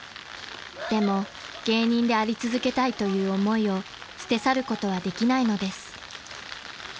［でも芸人であり続けたいという思いを捨て去ることはできないのです］